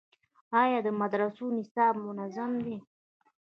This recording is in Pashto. آیا د مدرسو نصاب منظم دی؟